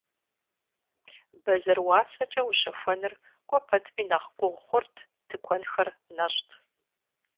Бэзэр уасэкӀэ ущэхуэныр кӀуэ пэтми нэхъ гугъу хъурт, тыкуэнхэр нэщӀт.